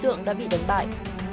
đối tượng đã bị đứng tại